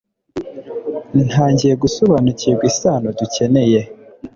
ntangiye gusobanukirwa isano dukeneye